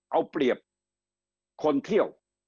เอาเปรียบคนเที่ยว